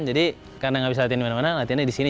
jadi karena gak bisa latihan dimana mana latihannya disini